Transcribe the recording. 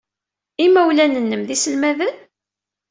Imawlan-nnem d iselmaden?